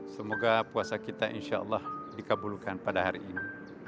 semoga puasa kita insyaallah dikabulkan pada hari ini